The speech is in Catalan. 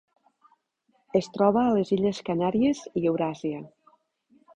Es troba a les illes Canàries i Euràsia.